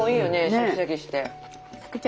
シャキシャキして。